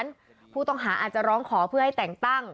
มันยังไม่ถึงศาลผู้ต้องหาอาจจะร้องขอเพื่อให้แต่งตั้ง